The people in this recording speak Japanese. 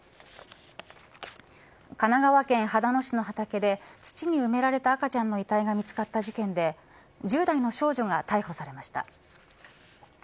神奈川県秦野市の畑で土に埋められた赤ちゃんの遺体が見つかった事件で１０代の少女が逮捕されました。